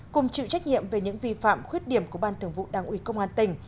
cùng chịu trách nhiệm về những vi phạm khuyết điểm của ban thường vụ đảng ủy công an tỉnh